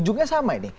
ujungnya sama ini